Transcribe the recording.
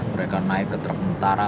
mereka naik ke truk tentara